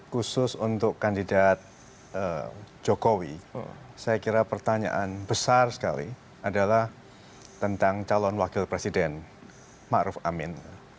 khusus untuk kandidat jokowi saya kira pertanyaan besar sekali adalah tentang calon wakil presiden ⁇ maruf ⁇ amin